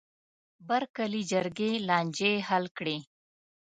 بر کلي جرګې لانجې حل کړې.